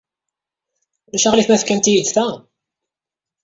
Ulac aɣilif ma tefkamt-iyi-d ta?